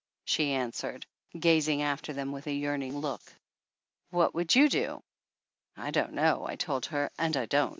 she answered, gazing after them with a yearning look. "What would you do?" "I don't know," I told her, and I don't.